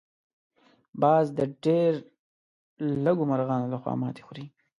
باز د ډېر لږو مرغانو لخوا ماتې خوري